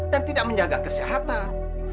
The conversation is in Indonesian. dan tidak menjaga kesehatan